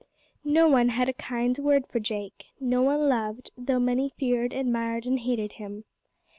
No one had a kind word for Jake, no one loved, though many feared, admired, and hated him.